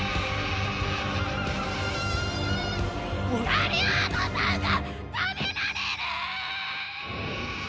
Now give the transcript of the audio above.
ガリアードさんが食べられるううううぅぅ！！